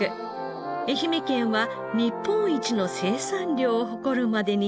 愛媛県は日本一の生産量を誇るまでになりました。